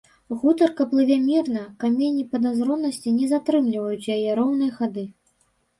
Гутарка плыве мірна, каменні падазронасці не затрымліваюць яе роўнай хады.